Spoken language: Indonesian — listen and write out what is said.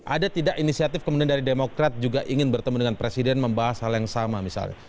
ada tidak inisiatif kemudian dari demokrat juga ingin bertemu dengan presiden membahas hal yang sama misalnya